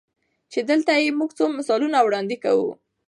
چې دلته ئې مونږ څو مثالونه وړاندې کوو-